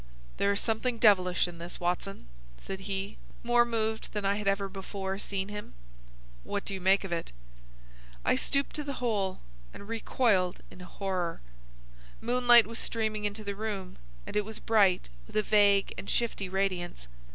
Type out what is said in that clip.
"There is something devilish in this, Watson," said he, more moved than I had ever before seen him. "What do you make of it?" I stooped to the hole, and recoiled in horror. Moonlight was streaming into the room, and it was bright with a vague and shifty radiance.